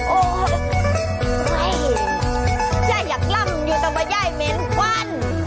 โอ๊ยย่ายอยากลั่งอยู่ตรงนี้ย่ายเหม็นกว้าน